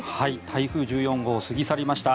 台風１４号過ぎ去りました。